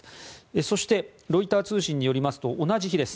そして、ロイター通信によりますと同じ日です。